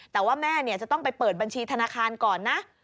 แต่ว่าแม่จะต้องไปเปิดบัญชีธนาคารก่อนนะ